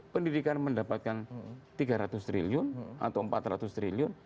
pendidikan mendapatkan tiga ratus triliun atau empat ratus triliun